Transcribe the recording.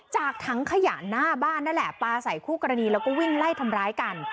จากถังขยะหน้าบ้านนั่นแหละปลาใส่คู่กรณีแล้วก็วิ่งไล่ทำร้ายกัน